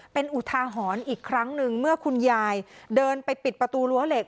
เป็นอุทาหรณ์อีกครั้งหนึ่งเมื่อคุณยายเดินไปปิดประตูรั้วเหล็ก